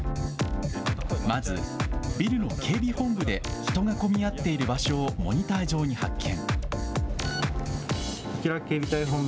まず、ビルの警備本部で人が混み合っている場所をモニター上に発見。